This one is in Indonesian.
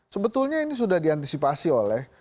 sebetulnya ini sudah diantisipasi oleh